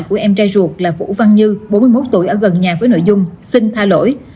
của em trai ruột là vũ văn như bốn mươi một tuổi ở gần nhà với nội dung xin tha lỗi